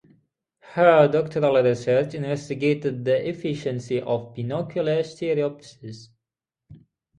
Her doctoral research investigated the efficiency of binocular stereopsis.